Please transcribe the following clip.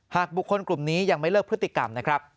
หากบุคคลกลุ่มนี้ยังไม่เลิกพฤติกรรม